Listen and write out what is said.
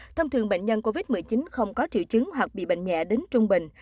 thông thường bệnh nhân covid một mươi chín không có triệu chứng hoặc bị bệnh nhẹ đến trung bình